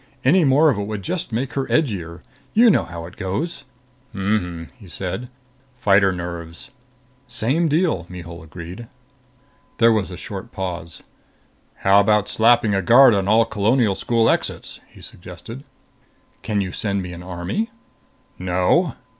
Any more of it would just make her edgier. You know how it goes." "Uh huh," he said. "Fighter nerves." "Same deal," Mihul agreed. There was a short pause. "How about slapping a guard on all Colonial school exits?" he suggested. "Can you send me an army?" "No."